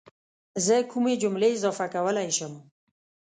زه کومې جملې اضافه کولی شم